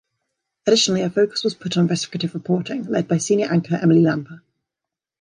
Additionally, a focus was put on investigative reporting, led by Senior Anchor Emily Lampa.